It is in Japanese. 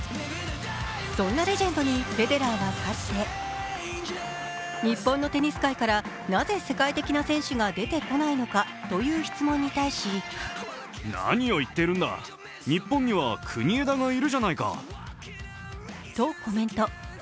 そんなレジェンドにフェデラーはかつて日本のテニス界からなぜ世界的な選手が出てこないのかという質問に対しとコメント。